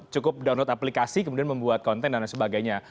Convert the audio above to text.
cukup download aplikasi kemudian membuat konten dan lain sebagainya